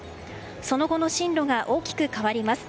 その後の進路が大きく変わります。